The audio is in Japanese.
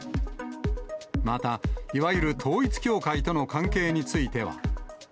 また、いわゆる統一教会との関係については。